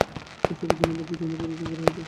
ঈশ্বরকে ধন্যবাদ যে ডিনার পরিবেশন করা হয়েছে!